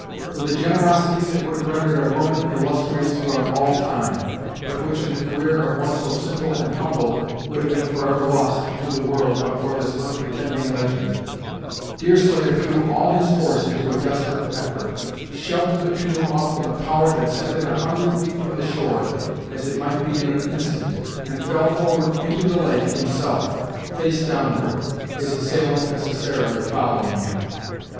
With a generosity that would have rendered a Roman illustrious throughout all time, but which, in the career of one so simple and humble, would have been forever lost to the world but for this unpretending legend, Deerslayer threw all his force into a desperate effort, shoved the canoe off with a power that sent it a hundred feet from the shore, as it might be in an instant, and fell forward into the lake, himself, face downward; his assailant necessarily following him.